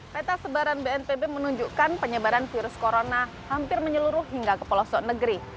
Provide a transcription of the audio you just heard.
peta sebaran bnpb menunjukkan penyebaran virus corona hampir menyeluruh hingga ke pelosok negeri